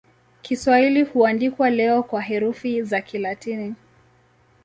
Kiswahili huandikwa leo kwa herufi za Kilatini.